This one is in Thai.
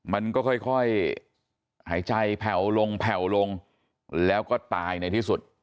มันก็ค่อยหายใจแผ่วลงแผ่วลงแล้วก็ตายในที่สุด